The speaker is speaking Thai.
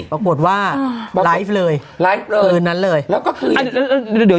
เขาก็พูดว่าไลฟ์เลยไลฟ์เลยคือนั้นเลยแล้วก็คือเดี๋ยวเดี๋ยวเดี๋ยว